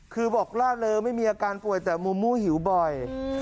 คือบอกล่าเริงไม่มีอาการป่วยแต่มุมมู้หิวบ่อย